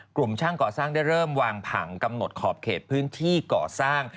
กลุ่มช่างก่อสร้างได้เริ่มวางผังกำหนดขอบเขตพื้นที่ก่อสร้าง